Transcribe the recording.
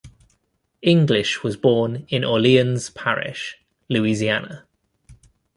English was born in Orleans Parish, Louisiana.